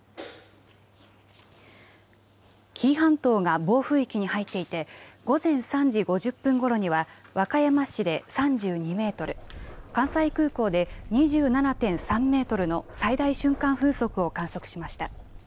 紀伊半島が暴風域に入っていて午前３時５０分ごろには和歌山市で３２メートル、関西空港で２７．３メートルの最大瞬間風速を観測しました。